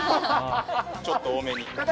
ちょっと多めに。